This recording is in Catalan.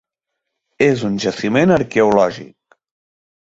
És un jaciment arqueològic.